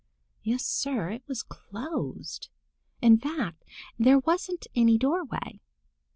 Yes, Sir, it was closed. In fact, there wasn't any doorway.